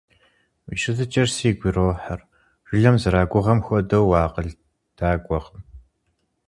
Уи щытыкӀэр сигу ирохьыр, жылэм зэрагугъэм хуэдэу уакъыл дагуэкъым.